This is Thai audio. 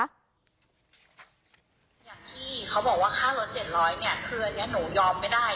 อย่างที่เขาบอกว่าค่ารถ๗๐๐เนี่ยคืออันนี้หนูยอมไม่ได้